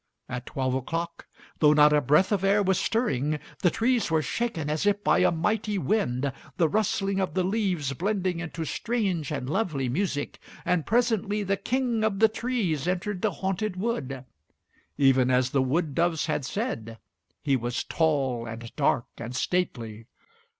At twelve o'clock, though not a breath of air was stirring, the trees were shaken as if by a mighty wind, the rustling of the leaves blending into strange and lovely music, and presently the King of the Trees entered the haunted wood. Even as the wood doves had said, he was tall and dark and stately.